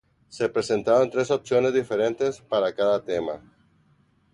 Se presentaron tres opciones diferentes para cada tema.